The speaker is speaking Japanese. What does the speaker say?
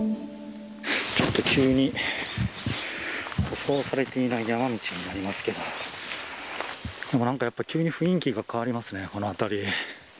ちょっと急に舗装されていない山道になりますけど、でもやっぱなんか急に雰囲気が変わりますね、この辺り。